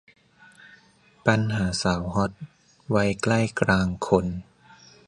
ปัญหาสาวฮอต วัยใกล้กลางคน